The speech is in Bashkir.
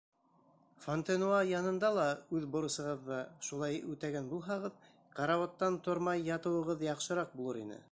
Фонтенуа янында ла үҙ бурысығыҙҙы шулай үтәгән булһағыҙ, карауаттан тормай ятыуығыҙ яҡшыраҡ булыр ине.